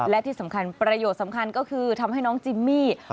และที่สำคัญประโยชน์สำคัญก็คือทำให้น้องจิมมี่